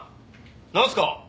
なんすか？